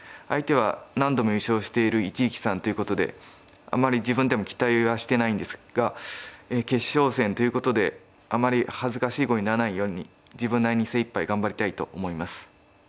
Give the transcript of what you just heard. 相手は何度も優勝している一力さんということであんまり自分でも期待はしてないんですが決勝戦ということであまり恥ずかしい碁にならないように自分なりに精いっぱい頑張りたいと思います。